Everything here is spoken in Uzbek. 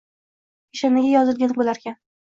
Peshanaga yozilgani bo`larkan